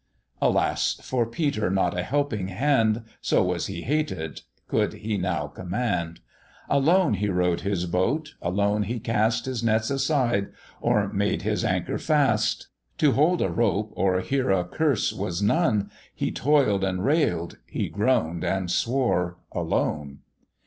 Alas! for Peter not a helping hand, So was he hated, could he now command; Alone he row'd his boat, alone he cast His nets beside, or made his anchor fast: To hold a rope or hear a curse was none, He toil'd and rail'd; he groan'd and swore alone.